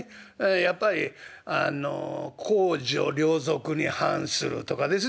やっぱり公序良俗に反するとかですね